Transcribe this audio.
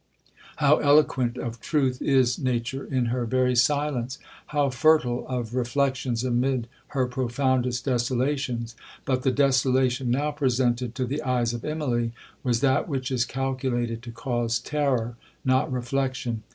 'How eloquent of truth is nature in her very silence! How fertile of reflections amid her profoundest desolations! But the desolation now presented to the eyes of Immalee, was that which is calculated to cause terror, not reflection.